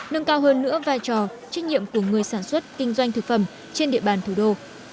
nâng cao hơn nữa vai trò trách nhiệm của người sản xuất kinh doanh thực phẩm trên địa bàn thủ đô